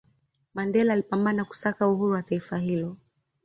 mandela alipambana kusaka uhuru wa taifa hilo